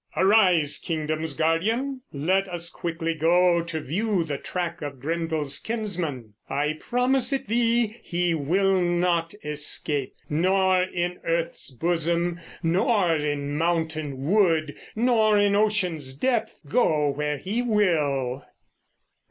Arise, kingdom's guardian! Let us quickly go To view the track of Grendel's kinsman. I promise it thee: he will not escape, Nor in earth's bosom, nor in mountain wood, Nor in ocean's depths, go where he will.